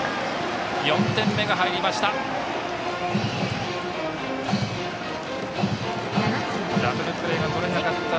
４点目が入りました。